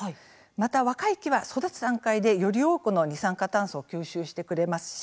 また若い木は育つ段階でより多くの二酸化炭素を吸収してくれます。